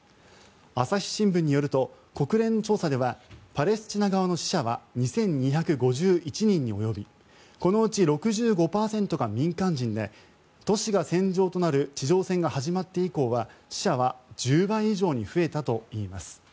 朝日新聞による国連の調査ではパレスチナ側の死者は２２５１人に及びこのうち６５％が民間人で都市が戦場となる地上戦が始まって以降は死者は１０倍以上に増えたといいます。